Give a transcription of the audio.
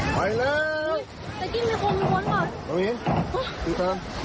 ไปแล้วเมื่อกี้มีคนมีคนเหรอเอาอีก